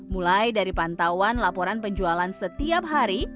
mulai dari pantauan laporan penjualan setiap hari